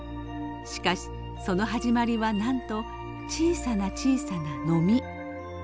しかしその始まりはなんと小さな小さなノミ。